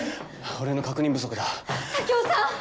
俺の確認不足だ佐京さん！